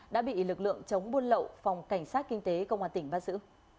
đã bị lực lượng chống buôn lậu phòng cảnh sát kinh tế công an tỉnh bắt giữ